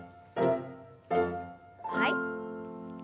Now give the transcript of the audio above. はい。